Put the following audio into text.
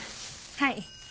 はい。